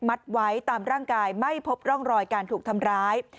ไว้ตามร่างกายไม่พบร่องรอยการถูกทำร้าย